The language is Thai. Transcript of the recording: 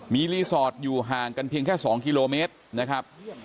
มีรีสอร์ทอยู่ห่างกันเพียงแค่๒กิโลเมตรนะครับ